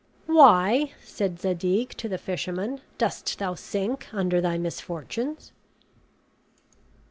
"Why," said Zadig to the fisherman, "dost thou sink under thy misfortunes?"